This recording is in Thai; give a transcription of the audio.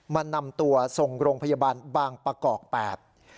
นำตัวส่งโรงพยาบาลบางประกอบแปด